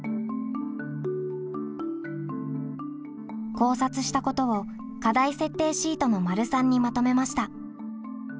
考察したことを課題設定シートの③にまとめました。